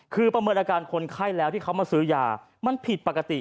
คือประเมินอาการคนไข้แล้วที่เขามาซื้อยามันผิดปกติ